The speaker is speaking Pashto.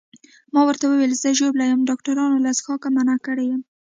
ما ورته وویل زه ژوبل یم، ډاکټرانو له څښاکه منع کړی یم.